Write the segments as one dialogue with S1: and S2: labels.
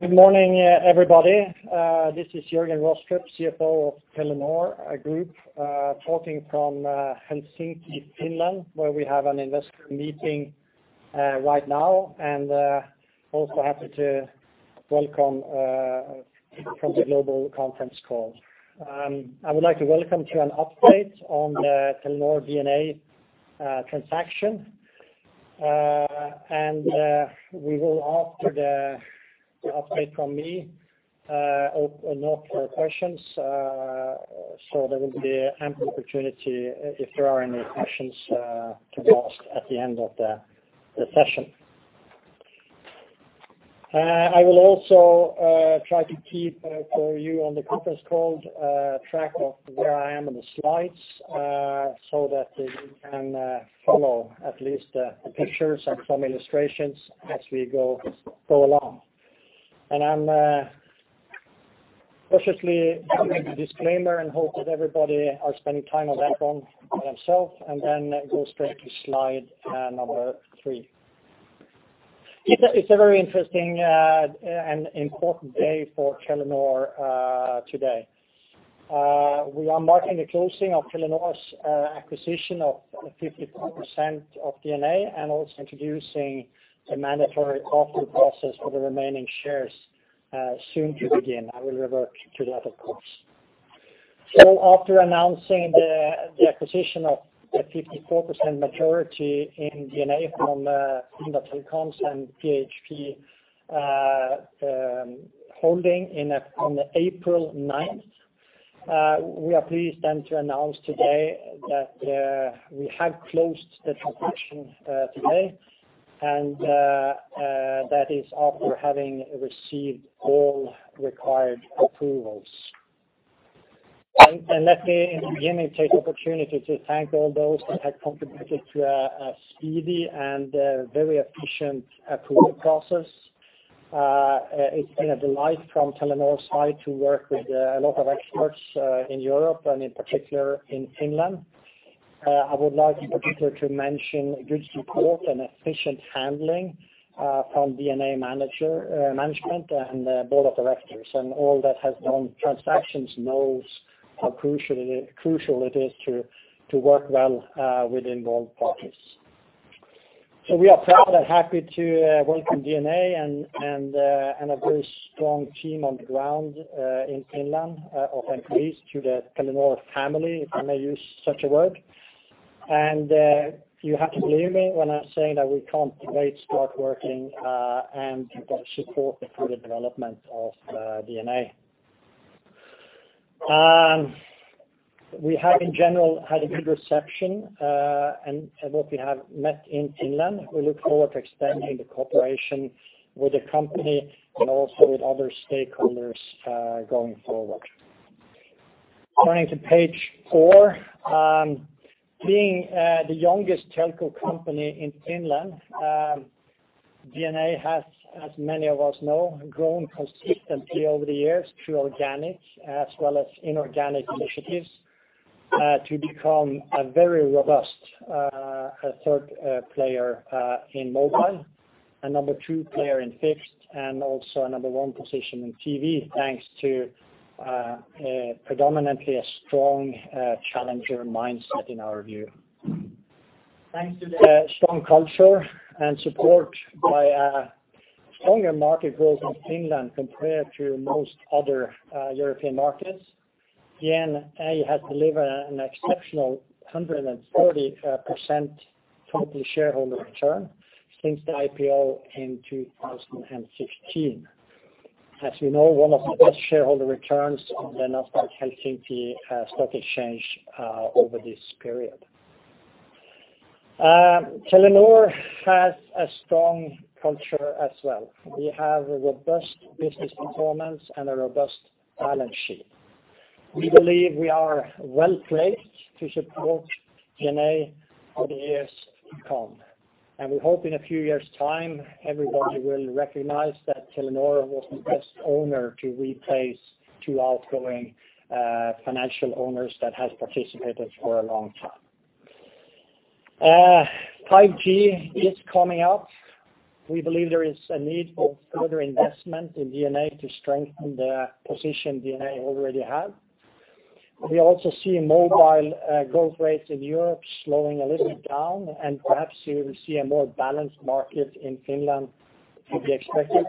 S1: Good morning, everybody. This is Jørgen Rostrup, CFO of Telenor Group, talking from Helsinki, Finland, where we have an investor meeting right now. And also happy to welcome from the global conference call. I would like to welcome to an update on the Telenor DNA transaction. And we will after the update from me open up for questions. So there will be ample opportunity, if there are any questions, to be asked at the end of the session. I will also try to keep for you on the conference call track of where I am on the slides, so that you can follow at least the pictures and some illustrations as we go along. I'm cautiously doing the disclaimer and hope that everybody are spending time on their own, by themselves, and then go straight to slide number three. It's a very interesting and important day for Telenor today. We are marking the closing of Telenor's acquisition of 54% of DNA, and also introducing a mandatory offering process for the remaining shares soon to begin. I will revert to that, of course. So after announcing the acquisition of the 54% majority in DNA from Finda Telecoms and PHP Holding in April on April 9th, we are pleased then to announce today that we have closed the transaction today, and that is after having received all required approvals. Let me again take the opportunity to thank all those that have contributed to a speedy and very efficient approval process. It's been a delight from Telenor's side to work with a lot of experts in Europe and in particular in Finland. I would like in particular to mention good support and efficient handling from DNA management and the board of directors. All that has done transactions knows how crucial it is to work well with involved parties. We are proud and happy to welcome DNA and a very strong team on the ground in Finland of employees to the Telenor family, if I may use such a word. You have to believe me when I'm saying that we can't wait to start working and to support the further development of DNA. We have in general had a good reception and what we have met in Finland. We look forward to extending the cooperation with the company and also with other stakeholders going forward. Turning to page 4, being the youngest telco company in Finland, DNA has, as many of us know, grown consistently over the years through organic as well as inorganic initiatives to become a very robust third player in mobile, a number two player in fixed, and also a number one position in TV, thanks to predominantly a strong challenger mindset in our view. Thanks to the strong culture and support by a stronger market growth in Finland compared to most other European markets, DNA has delivered an exceptional 140% total shareholder return since the IPO in 2016. As you know, one of the best shareholder returns on the Nasdaq Helsinki stock exchange over this period. Telenor has a strong culture as well. We have a robust business performance and a robust balance sheet. We believe we are well placed to support DNA for the years to come, and we hope in a few years' time, everybody will recognize that Telenor was the best owner to replace two outgoing financial owners that has participated for a long time. 5G is coming up. We believe there is a need for further investment in DNA to strengthen the position DNA already have. We also see mobile growth rates in Europe slowing a little bit down, and perhaps you will see a more balanced market in Finland to be expected.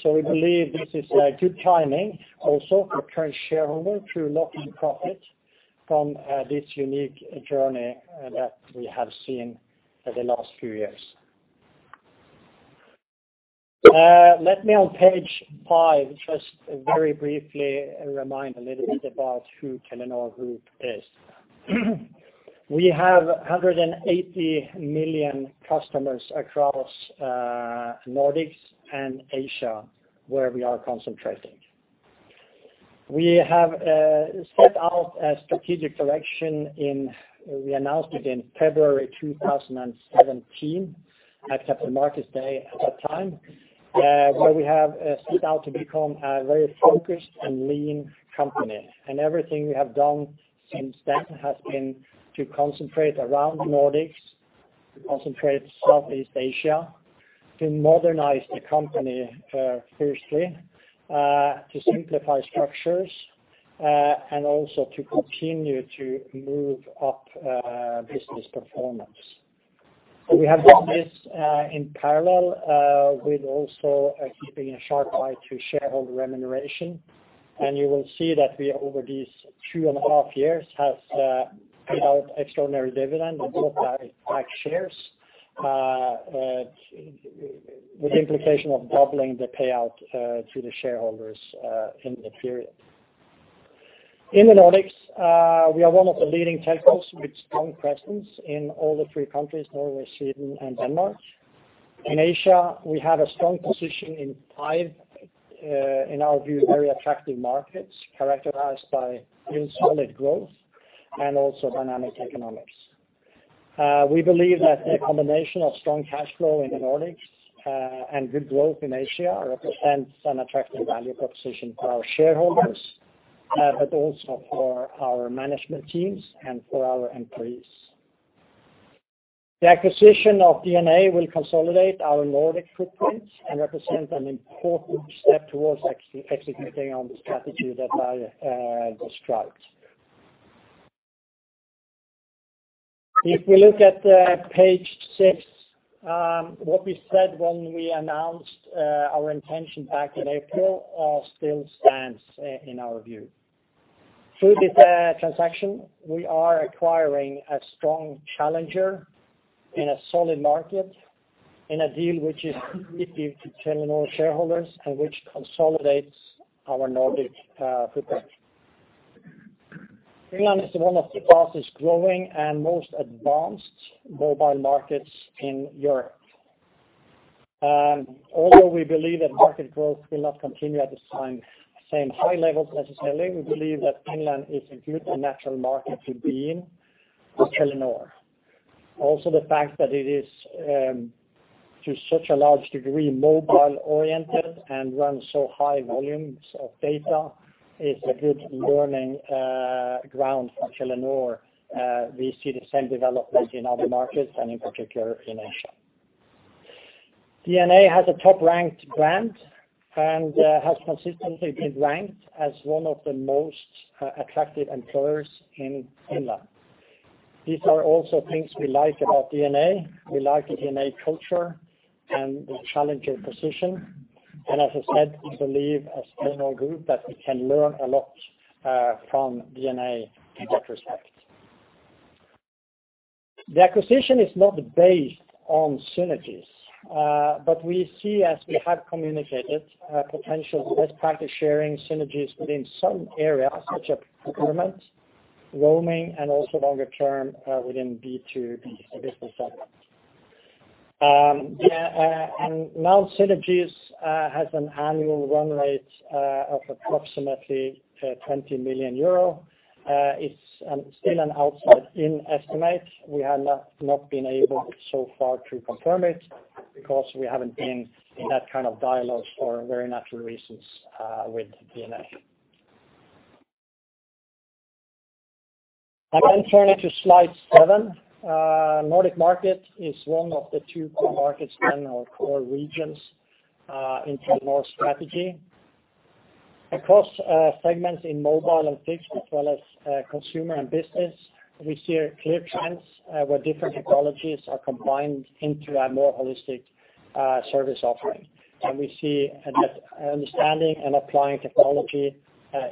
S1: So we believe this is a good timing also for current shareholder to lock in profit from this unique journey that we have seen for the last few years. Let me on page five just very briefly remind a little bit about who Telenor Group is. We have 180 million customers across Nordics and Asia, where we are concentrating. We have set out a strategic direction in, we announced it in February 2017, at Capital Markets Day at that time, where we have set out to become a very focused and lean company. And everything we have done since then has been to concentrate around Nordics-... concentrate Southeast Asia to modernize the company, firstly, to simplify structures, and also to continue to move up business performance. We have done this, in parallel, with also keeping a sharp eye to shareholder remuneration. And you will see that we, over these two and a half years, has paid out extraordinary dividend and bought back shares, with the implication of doubling the payout to the shareholders in the period. In the Nordics, we are one of the leading telcos with strong presence in all the three countries, Norway, Sweden, and Denmark. In Asia, we have a strong position in five, in our view, very attractive markets, characterized by real solid growth and also dynamic economics. We believe that the combination of strong cash flow in the Nordics, and good growth in Asia represents an attractive value proposition for our shareholders, but also for our management teams and for our employees. The acquisition of DNA will consolidate our Nordic footprint and represent an important step towards executing on the strategy that I described. If we look at page six, what we said when we announced our intention back in April still stands in our view. Through this transaction, we are acquiring a strong challenger in a solid market, in a deal which is appealing to Telenor shareholders and which consolidates our Nordic footprint. Finland is one of the fastest growing and most advanced mobile markets in Europe. Although we believe that market growth will not continue at the same, same high levels necessarily, we believe that Finland is a good and natural market to be in for Telenor. Also, the fact that it is, to such a large degree, mobile oriented and runs so high volumes of data is a good learning, ground for Telenor. We see the same development in other markets, and in particular, in Asia. DNA has a top-ranked brand and, has consistently been ranked as one of the most, attractive employers in Finland. These are also things we like about DNA. We like the DNA culture and the challenger position. And as I said, we believe as Telenor Group, that we can learn a lot, from DNA in that respect. The acquisition is not based on synergies, but we see, as we have communicated, a potential best practice sharing synergies within some areas such as government, roaming, and also longer term, within B2B business segment. Now synergies has an annual run rate of approximately 20 million euro. It's still an outside-in estimate. We have not been able so far to confirm it because we haven't been in that kind of dialogue for very natural reasons with DNA. I then turn it to slide seven. Nordic market is one of the two core markets in our core regions in Telenor strategy. Across segments in mobile and fixed, as well as consumer and business, we see a clear trends where different technologies are combined into a more holistic service offering. We see that understanding and applying technology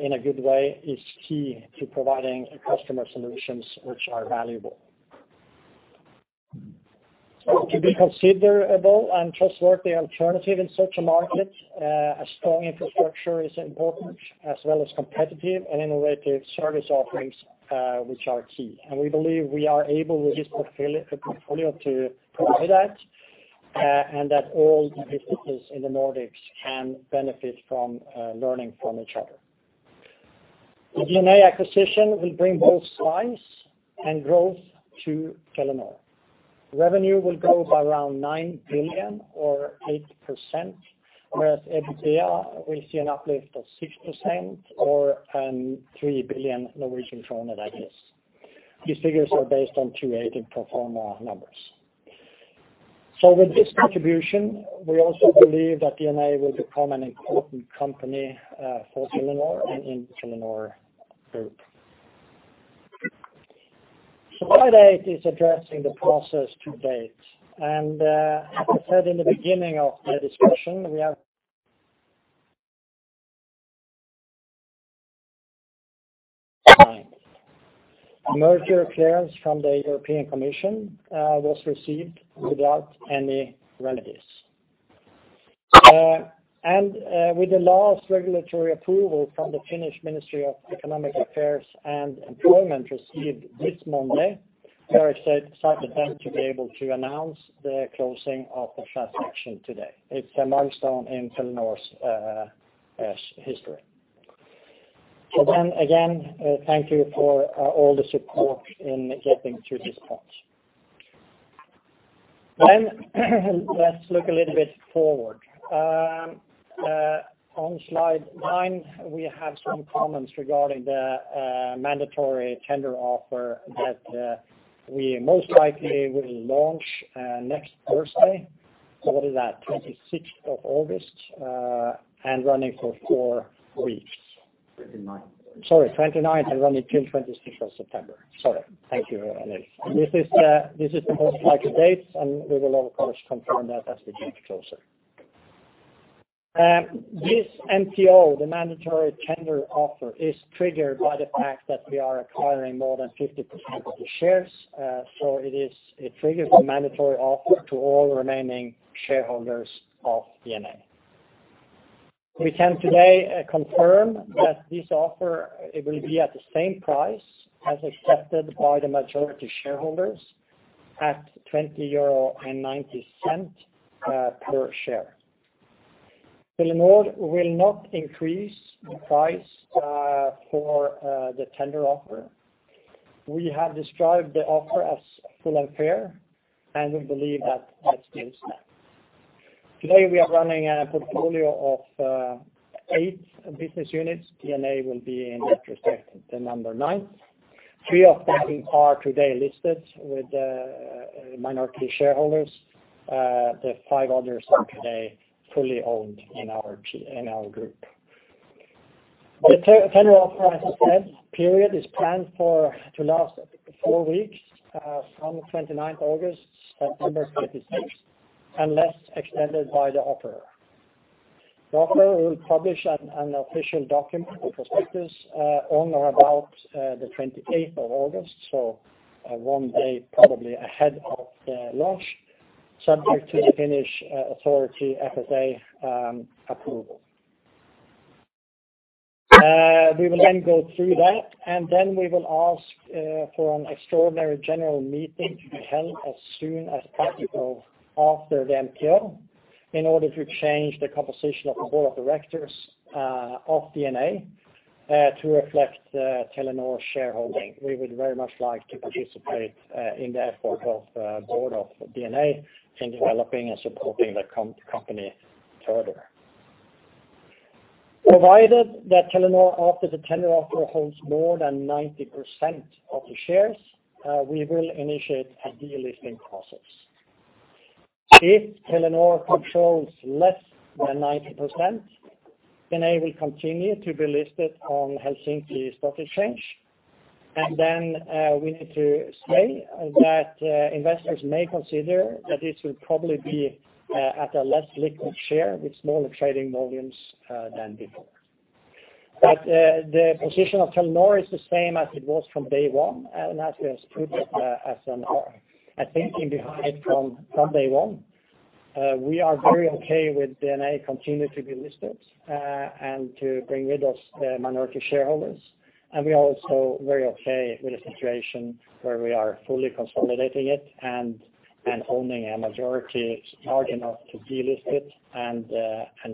S1: in a good way is key to providing customer solutions which are valuable. To be credible and trustworthy alternative in such a market, a strong infrastructure is important, as well as competitive and innovative service offerings, which are key. We believe we are able, with this portfolio, to provide that, and that all the businesses in the Nordics can benefit from learning from each other. The DNA acquisition will bring both size and growth to Telenor. Revenue will grow by around 9 billion or 8%, whereas EBITDA will see an uplift of 6% or three billion Norwegian kroner, I guess. These figures are based on unaudited pro forma numbers. With this contribution, we also believe that DNA will become an important company for Telenor and in Telenor Group. Slide eight is addressing the process to date. As I said in the beginning of the discussion, we have merger clearance from the European Commission was received without any remedies. With the last regulatory approval from the Finnish Ministry of Economic Affairs and Employment received this Monday, we are excited then to be able to announce the closing of the transaction today. It's a milestone in Telenor's history. So then again, thank you for all the support in getting to this point. Let's look a little bit forward. On slide nine we have some comments regarding the mandatory tender offer that we most likely will launch next Thursday. So what is that? 26th of August and running for four weeks.
S2: 29th.
S1: Sorry, 29th, and running till 26th of September. Sorry. Thank you, Elise. This is, this is the most likely date, and we will, of course, confirm that as we get closer. This MTO, the mandatory tender offer, is triggered by the fact that we are acquiring more than 50% of the shares. So it triggers a mandatory offer to all remaining shareholders of DNA. We can today confirm that this offer, it will be at the same price as accepted by the majority shareholders at 20.90 euro per share. Telenor will not increase the price for the tender offer. We have described the offer as full and fair, and we believe that that stands. Today, we are running a portfolio of eight business units. DNA will be, in retrospect, the number nine. Three of them are today listed with minority shareholders, the five others are today fully owned in our group. The tender offer, as I said, period is planned to last four weeks, from August 29 to September 26, unless extended by the offerer. The offerer will publish an official document, a prospectus, on or about August 28, so one day probably ahead of the launch, subject to the Finnish Authority, FSA, approval. We will then go through that, and then we will ask for an extraordinary general meeting to be held as soon as possible after the MTO, in order to change the composition of the board of directors of DNA to reflect Telenor's shareholding. We would very much like to participate in the effort of board of DNA in developing and supporting the company further. Provided that Telenor, after the tender offer, holds more than 90% of the shares, we will initiate a delisting process. If Telenor controls less than 90%, DNA will continue to be listed on Helsinki Stock Exchange, and then we need to say that investors may consider that this will probably be at a less liquid share with smaller trading volumes than before. But the position of Telenor is the same as it was from day one, and as we have stated, as on our thinking behind from day one, we are very okay with DNA continuing to be listed and to bring with us the minority shareholders. And we are also very okay with a situation where we are fully consolidating it and owning a majority large enough to delist it and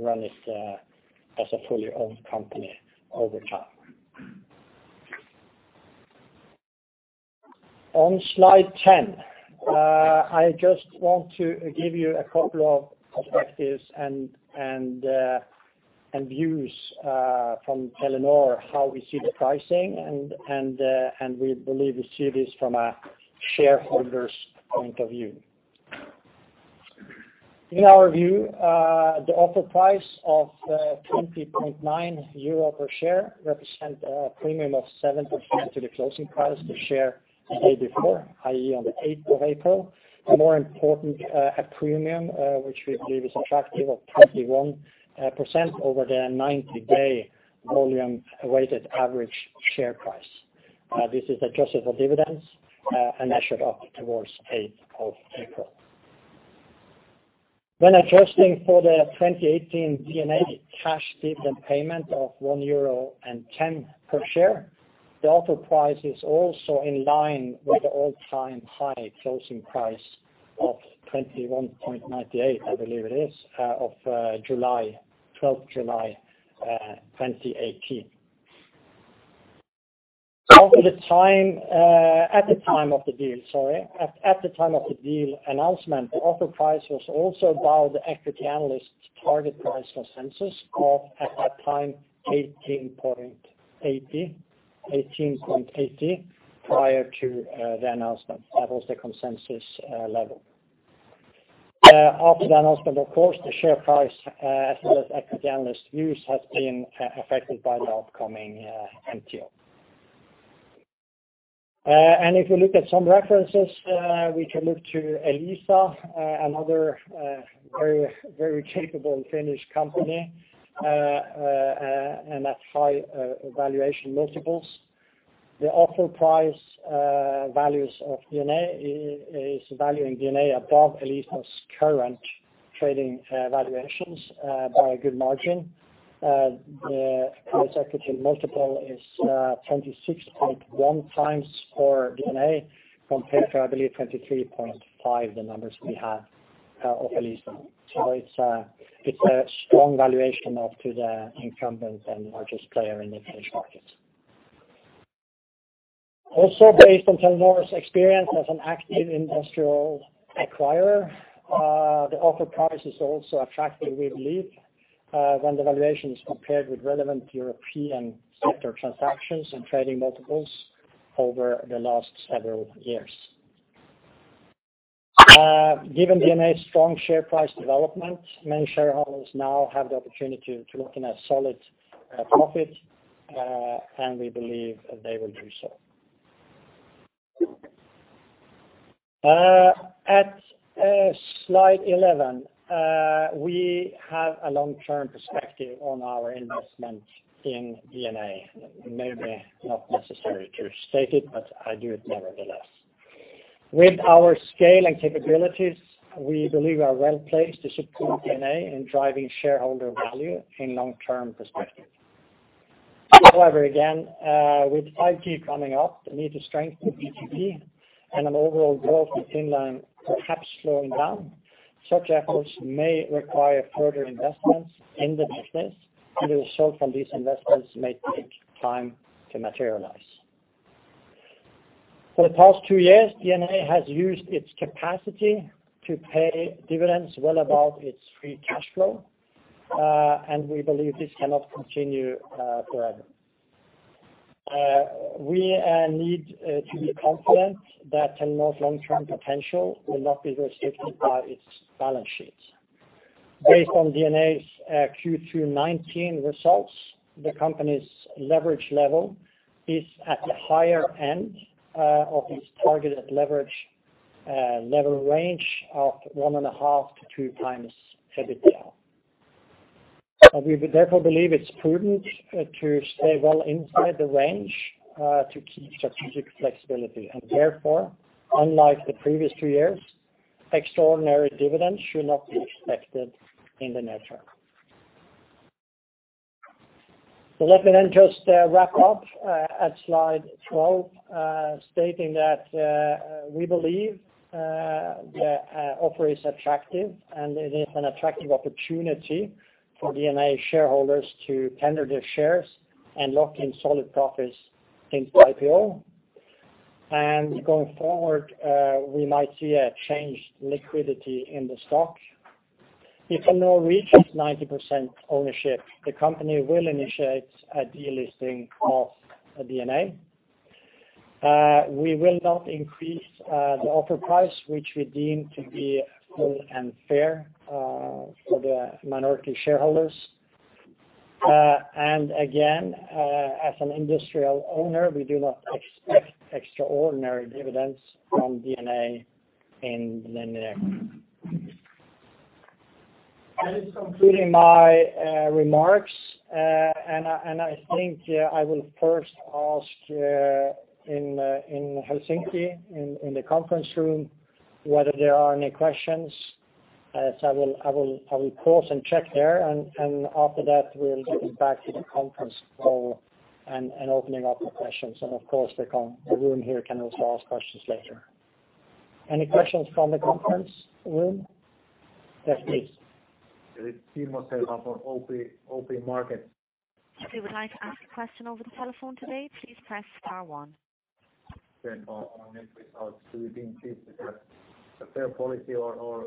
S1: run it as a fully owned company over time. On slide 10, I just want to give you a couple of perspectives and views from Telenor, how we see the pricing, and we believe we see this from a shareholder's point of view. In our view, the offer price of 20.9 euro per share represent a premium of 7% to the closing price to share the day before, i.e., on the eighth of April. More important, a premium which we believe is attractive of 21% over the 90-day volume weighted average share price. This is adjusted for dividends and measured up towards 8th of April. When adjusting for the 2018 DNA cash dividend payment of 1.10 euro per share, the offer price is also in line with the all-time high closing price of 21.98, I believe it is, of July 12, 2018. Over the time, at the time of the deal announcement, the offer price was also above the equity analyst's target price for consensus of, at that time, 18.80, 18.80, prior to the announcement. That was the consensus level. After the announcement, of course, the share price as well as equity analyst views has been affected by the upcoming MTO. And if you look at some references, we can look to Elisa, another very, very capable Finnish company, and at high valuation multiples. The offer price values DNA is valuing DNA above Elisa's current trading valuations by a good margin. This equity multiple is 26.1x for DNA, compared to, I believe, 23.5, the numbers we have of Elisa. So it's a, it's a strong valuation up to the incumbent and largest player in the Finnish market. Also based on Telenor's experience as an active industrial acquirer, the offer price is also attractive, we believe, when the valuation is compared with relevant European sector transactions and trading multiples over the last several years. Given DNA's strong share price development, many shareholders now have the opportunity to lock in a solid profit, and we believe they will do so. At slide 11, we have a long-term perspective on our investment in DNA. Maybe not necessary to state it, but I do it nevertheless. With our scale and capabilities, we believe are well placed to support DNA in driving shareholder value in long-term perspective. However, again, with 5G coming up, the need to strengthen B2B and an overall growth in line perhaps slowing down, such efforts may require further investments in the business, and the result from these investments may take time to materialize. For the past two years, DNA has used its capacity to pay dividends well above its free cash flow, and we believe this cannot continue forever. We need to be confident that Telenor's long-term potential will not be restricted by its balance sheets. Based on DNA's Q2 2019 results, the company's leverage level is at the higher end of its targeted leverage level range of 1.5x-2x EBITDA. We therefore believe it's prudent to stay well inside the range to keep strategic flexibility. Therefore, unlike the previous two years, extraordinary dividends should not be expected in the near term. Let me then just wrap up at slide 12 stating that we believe the offer is attractive, and it is an attractive opportunity for DNA shareholders to tender their shares and lock in solid profits in the IPO. Going forward, we might see a changed liquidity in the stock. If Telenor reaches 90% ownership, the company will initiate a delisting of DNA. We will not increase the offer price, which we deem to be full and fair for the minority shareholders. And again, as an industrial owner, we do not expect extraordinary dividends from DNA in the near. That is concluding my remarks. And I think I will first ask in Helsinki, in the conference room, whether there are any questions. So I will pause and check there, and after that, we'll get back to the conference call and opening up for questions. And of course, the room here can also ask questions later. Any questions from the conference room? Yes, please.
S3: It's Kimmo from OP Markets.
S4: If you would like to ask a question over the telephone today, please press star one.
S3: On net results, do you think it's a fair policy or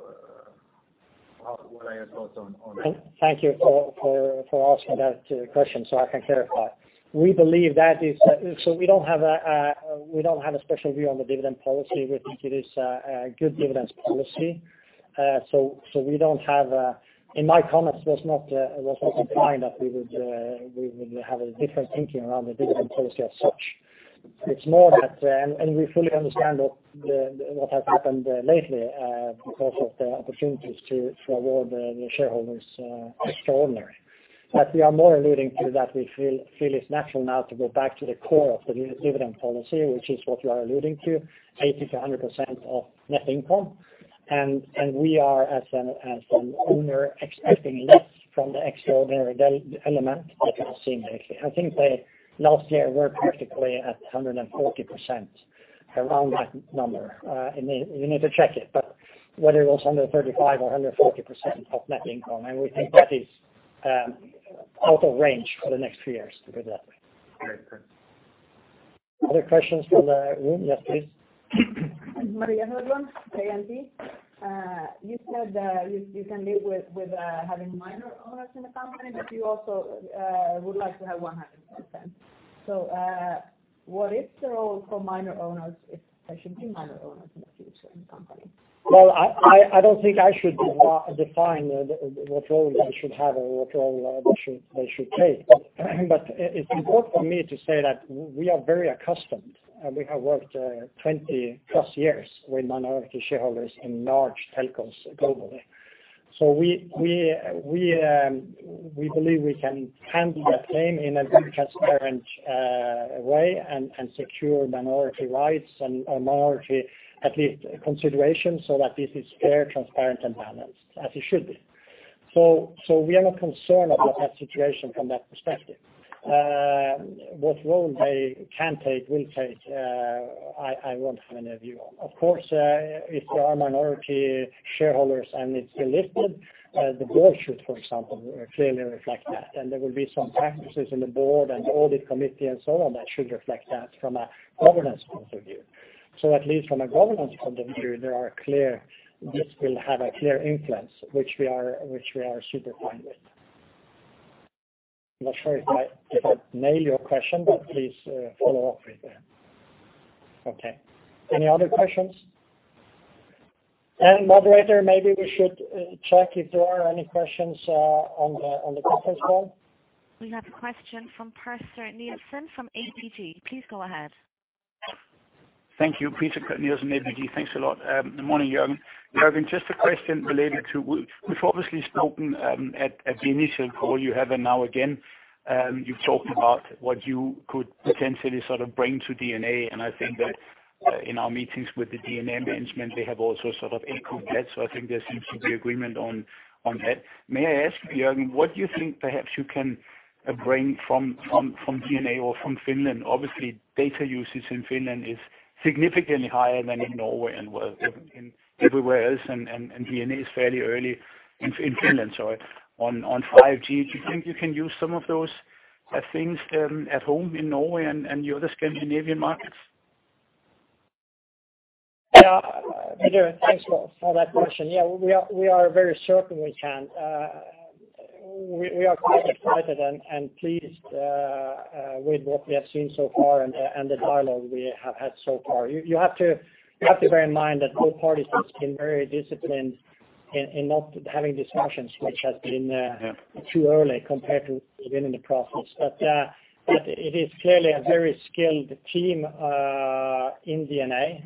S3: what are your thoughts on that?
S1: Thank you for asking that question, so I can clarify. We believe that is. So we don't have a special view on the dividend policy. We think it is a good dividends policy. So we don't have a... In my comments, was not implied that we would have a different thinking around the dividend policy as such. It's more that. And we fully understand what has happened lately because of the opportunities to award the shareholders extraordinary. But we are more alluding to that we feel it's natural now to go back to the core of the dividend policy, which is what you are alluding to, 80%-100% of net income. We are, as an owner, expecting less from the extraordinary di- element that we have seen lately. I think that last year we're practically at 140%, around that number. And we need to check it, but whether it was 135% or 140% of net income, and we think that is out of range for the next few years to put that.
S3: Great. Thanks.
S1: Other questions from the room? Yes, please.
S2: Maria Hudon, JMP. You said, you can live with having minor owners in the company, but you also would like to have 100%. So, what is the role for minor owners, if there should be minor owners in the future in the company?
S1: Well, I don't think I should define what role they should have or what role they should take. But it's important for me to say that we are very accustomed, and we have worked 20+ years with minority shareholders in large telcos globally. So we believe we can handle the claim in a very transparent way, and secure minority rights and minority, at least consideration, so that this is fair, transparent, and balanced, as it should be. So we are not concerned about that situation from that perspective. What role they can take, will take. I won't have any view. Of course, if there are minority shareholders and it's listed, the board should, for example, clearly reflect that. There will be some practices in the board and audit committee and so on, that should reflect that from a governance point of view. So at least from a governance point of view, there are clear, this will have a clear influence, which we are, which we are super fine with. I'm not sure if I, if I nailed your question, but please, follow up with me. Okay, any other questions? And moderator, maybe we should, check if there are any questions, on the, on the conference call.
S4: We have a question from Peter Nielsen from ABG. Please go ahead.
S5: Thank you. Peter Nielsen, ABG. Thanks a lot. Good morning, Jørgen. Jørgen, just a question related to we've obviously spoken at the initial call you had, and now again, you've talked about what you could potentially sort of bring to DNA. And I think that in our meetings with the DNA management, they have also sort of echoed that. So I think there seems to be agreement on that. May I ask you, Jørgen, what do you think perhaps you can bring from DNA or from Finland? Obviously, data usage in Finland is significantly higher than in Norway and well, in everywhere else, and DNA is fairly early in Finland, sorry, on 5G. Do you think you can use some of those things at home in Norway and the other Scandinavian markets?
S1: Yeah. Peter, thanks for that question. Yeah, we are very certain we can. We are quite excited and pleased with what we have seen so far and the dialogue we have had so far. You have to bear in mind that both parties have been very disciplined in not having discussions, which has been-
S5: Yeah...
S1: too early compared to even in the process. But it is clearly a very skilled team in DNA.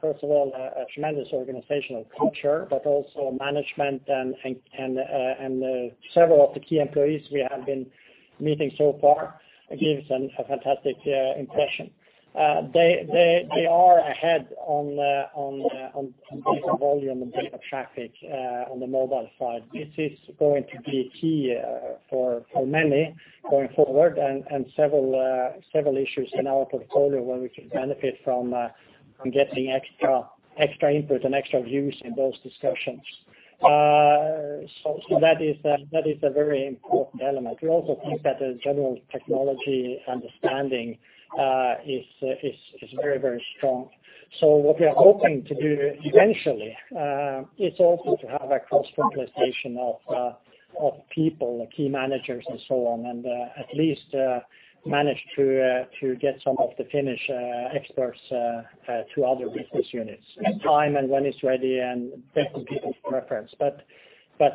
S1: First of all, a tremendous organizational culture, but also management and several of the key employees we have been meeting so far gives a fantastic impression. They are ahead on data volume and data traffic on the mobile side. This is going to be key for many going forward and several issues in our portfolio where we can benefit from getting extra input and extra views in those discussions. So that is a very important element. We also think that the general technology understanding is very, very strong. So what we are hoping to do eventually is also to have a cross-fertilization of people, key managers and so on, and at least manage to get some of the Finnish experts to other business units. In time, and when it's ready, and based on people's preference. But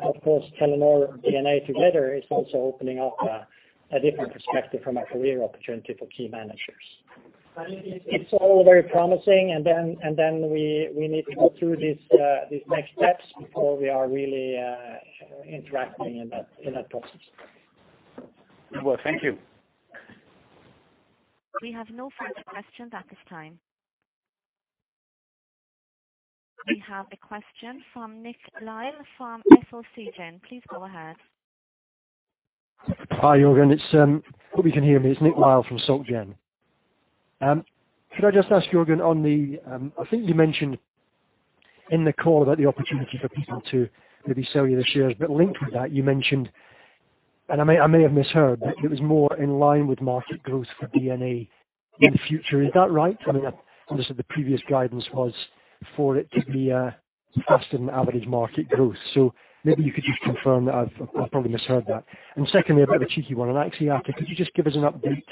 S1: of course, Telenor DNA together is also opening up a different perspective from a career opportunity for key managers. It's all very promising, and then we need to go through these next steps before we are really interacting in that process.
S5: Well, thank you.
S4: We have no further questions at this time. We have a question from Nick Lyall from SocGen. Please go ahead.
S6: Hi, Jørgen. It's... Hope you can hear me. It's Nick Lyall from SocGen. Could I just ask Jørgen, on the, I think you mentioned in the call about the opportunity for people to maybe sell you the shares. But linked with that, you mentioned, and I may, I may have misheard, that it was more in line with market growth for DNA-
S1: Yes
S6: in the future. Is that right? I mean, obviously, the previous guidance was for it to be faster than average market growth. So maybe you could just confirm that. I've probably misheard that. And secondly, a bit of a cheeky one. On Axiata, could you just give us an update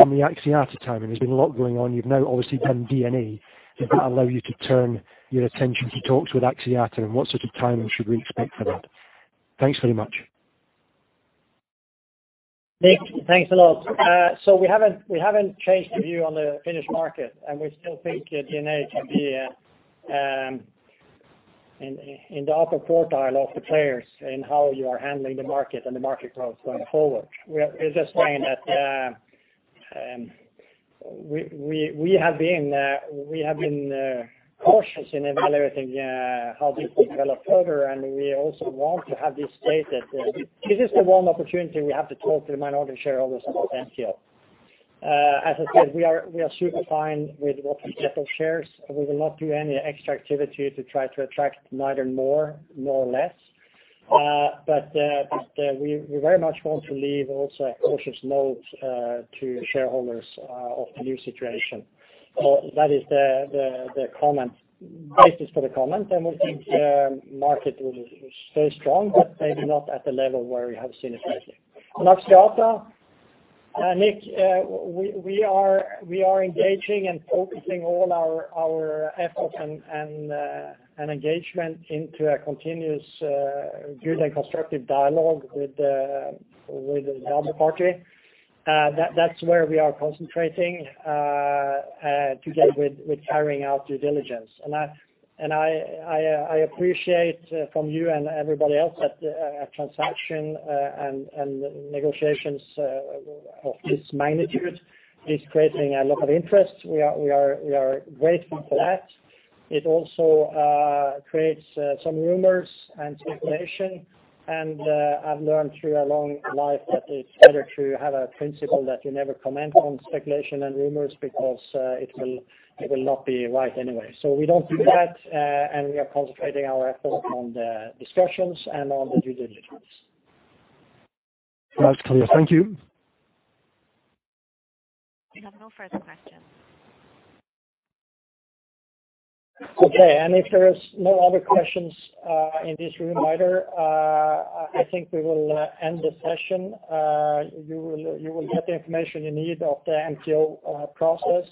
S6: on the Axiata timing? There's been a lot going on. You've now obviously done DNA. Does that allow you to turn your attention to talks with Axiata? And what sort of timing should we expect for that? Thanks very much.
S1: Nick, thanks a lot. So we haven't changed the view on the Finnish market, and we still think that DNA can be in the upper quartile of the players in how you are handling the market and the market growth going forward. We're just saying that we have been cautious in evaluating how this will develop further. And we also want to have this stated, that this is the one opportunity we have to talk to the minority shareholders about MTO. As I said, we are super fine with what we get of shares. We will not do any extra activity to try to attract neither more or less. But we very much want to leave also a cautious note to shareholders of the new situation. That is the comment, basis for the comment, and we think market will stay strong, but maybe not at the level where we have seen it lately. On Axiata, Nick, we are engaging and focusing all our efforts and engagement into a continuous good and constructive dialogue with the other party. That’s where we are concentrating together with carrying out due diligence. And I appreciate from you and everybody else that a transaction and negotiations of this magnitude is creating a lot of interest. We are grateful for that. It also creates some rumors and speculation, and I've learned through a long life that it's better to have a principle that you never comment on speculation and rumors, because it will, it will not be right anyway. So we don't do that, and we are concentrating our effort on the discussions and on the due diligence.
S6: That's clear. Thank you.
S4: We have no further questions.
S1: Okay, and if there is no other questions, in this room either, I think we will end the session. You will get the information you need of the MTO process.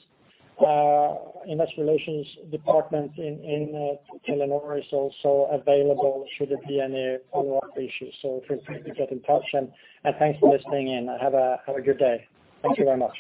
S1: Investor relations department in Telenor is also available should there be any follow-up issues. So feel free to get in touch, and thanks for listening in. Have a good day. Thank you very much.